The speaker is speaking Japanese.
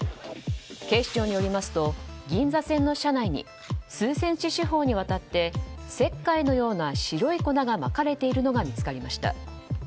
警視庁によりますと銀座線の車内に数センチ四方にわたって石灰のような白い粉がまかれているのが見つかりました。